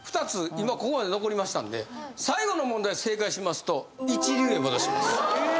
今ここまで残りましたんで最後の問題正解しますと一流へ戻しますええー